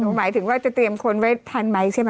หมายถึงว่าจะเตรียมคนไว้ทันไหมใช่ไหม